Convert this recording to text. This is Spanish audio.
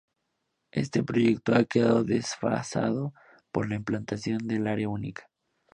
Este proyecto ha quedado desfasado por la implantación del Área Única.